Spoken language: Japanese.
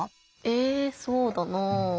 えぇそうだなぁ。